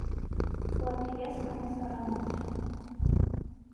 Ոչ, ես համասեռամոլ չեմ։